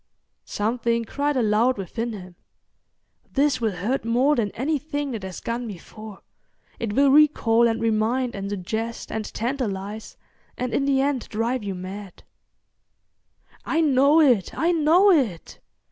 Something cried aloud within him:—This will hurt more than anything that has gone before. It will recall and remind and suggest and tantalise, and in the end drive you mad. "I know it, I know it!"